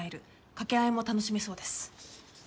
掛け合いも楽しめそうです。